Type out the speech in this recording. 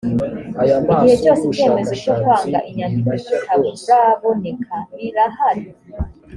igihe cyose icyemezo cyo kwanga inyandiko kitaraboneka birahari